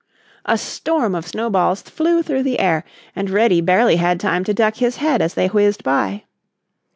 A storm of snowballs flew through the air and Reddy barely had time to duck his head as they whizzed by.